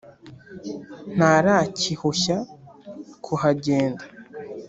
ntarakihushya kuhagenda.